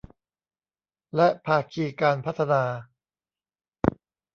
และภาคีการพัฒนา